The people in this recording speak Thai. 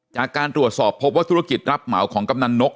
จากการตรวจสอบพบว่าธุรกิจรับเหมาของกำนันนก